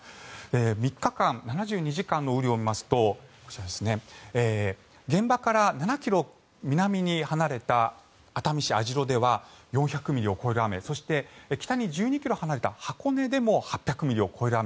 ３日間、７２時間の雨量を見ますとですね、こちら現場から７ｋｍ南に離れた熱海市網代では４００ミリを超える雨そして北に１２ｋｍ離れた箱根でも８００ミリを超える雨。